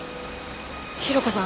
広子さん